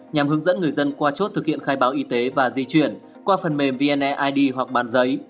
nhằm hướng dẫn người dân qua chốt thực hiện khai báo y tế và di chuyển qua phần mềm vneid hoặc bàn giấy